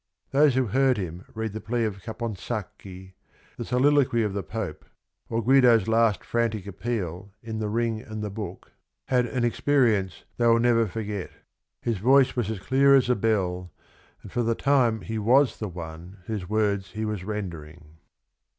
Those who heard him read the plea of Caponsacchi, the soliloquy of the Pope, or Guido's last frantic appeal in The Ring and the Book, had an experience they will never forget. His voice was as clear as a bell and for the time he was the one whose words he was rendering.